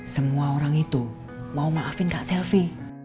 semua orang itu mau maafin kak selvi